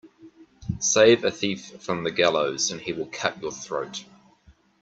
Save a thief from the gallows and he will cut your throat